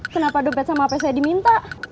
kenapa dompet sama apa saya diminta